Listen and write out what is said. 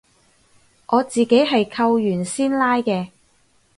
我自己係扣完先拉嘅